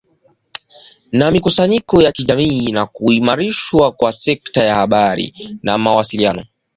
na mikusanyiko ya kijamii na kuimarishwa kwa sekta ya habari na mawasiliano